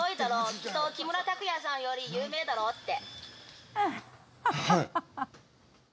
「きっと木村拓哉さんより有名だろ」って。